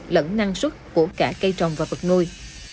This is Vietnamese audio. lẫn năng suất của cả cây trồng và vật nuôi